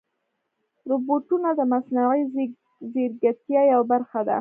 روبوټونه د مصنوعي ځیرکتیا یوه برخه ده.